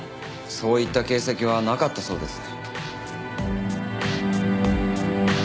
そういった形跡はなかったそうです。